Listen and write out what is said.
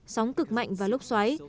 sóng cực mạnh và lốc xoáy